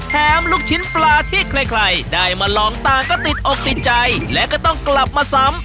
ลูกชิ้นปลาที่ใครได้มาลองต่างก็ติดอกติดใจและก็ต้องกลับมาซ้ำ